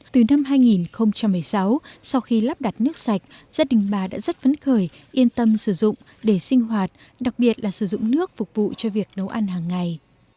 từ năm hai nghìn một mươi sáu sau khi lắp đặt nước sạch gia đình bà đã rất vấn khởi yên tâm sử dụng để sinh hoạt đặc biệt là sử dụng nước phục vụ cho việc nấu ăn hàng ngày